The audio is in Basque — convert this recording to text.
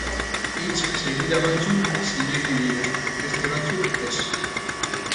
Hitz-segida batzuk zilegi dira, beste batzuk ez.